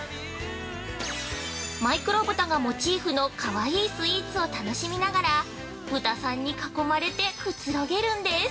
マイクロ豚がモチーフの可愛いスイーツを楽しみながら豚さんに囲まれてくつろげるんです。